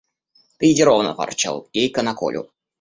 Ты иди ровно, – ворчал Гейка на Колю.